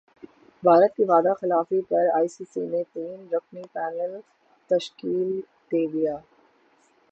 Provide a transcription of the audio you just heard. بھارت کی وعدہ خلافی پر ائی سی سی نے تین رکنی پینل تشکیل دیدیا